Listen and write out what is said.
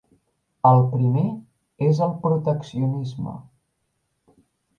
El primer és el proteccionisme.